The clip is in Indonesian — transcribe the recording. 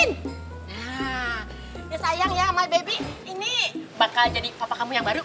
nah ya sayang ya sama baby ini bakal jadi papa kamu yang baru